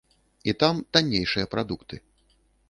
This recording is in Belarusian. І там таннейшыя прадукты.